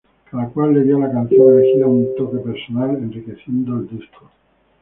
Cada cual le dio a la canción elegida un toque personal, enriqueciendo el disco.